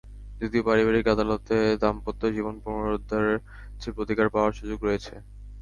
যদিও পারিবারিক আদালতে দাম্পত্য জীবন পুনরুদ্ধার চেয়ে প্রতিকার পাওয়ার সুযোগ রয়েছে।